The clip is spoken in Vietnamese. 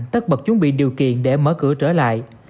tất bật chuẩn bị điều kiện để mở cửa trở lại